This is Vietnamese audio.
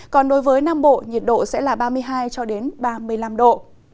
còn đối với nam bộ nhiệt độ sẽ là ba mươi hai cho đến ba mươi năm độ